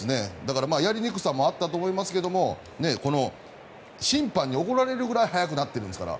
やりにくさもあったと思いますがこの審判に怒られるくらい早くなってるんですから。